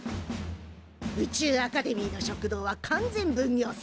宇宙アカデミーの食堂は完全分業制。